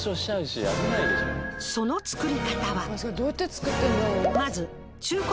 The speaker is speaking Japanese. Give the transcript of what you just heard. その作り方は？